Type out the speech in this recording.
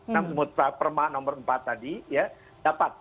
nah mutra perma nomor empat tadi dapat